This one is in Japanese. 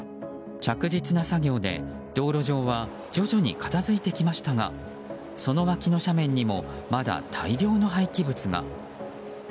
着実な作業で、道路上は徐々に片付いてきましたがその脇の斜面にもまだ大量の廃棄物が。